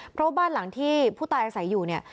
เพราะว่าบ้านหลังที่ผู้ตายอาศัยอยู่เนี่ย